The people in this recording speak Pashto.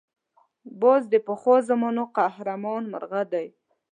باز د پخوا زمانو قهرمان مرغه دی